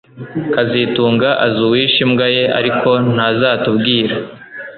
kazitunga azi uwishe imbwa ye ariko ntazatubwira